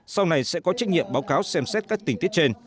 sau này sẽ có trách nhiệm báo cáo xem xét các tình tiết trên